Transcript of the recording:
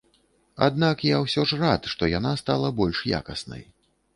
Аднак я ўсё ж рад, што яна стала больш якаснай.